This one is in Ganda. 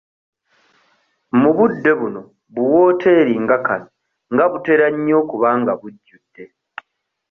Mu budde buno bu wooteeri nga kano nga butera nnyo okuba nga bujjudde.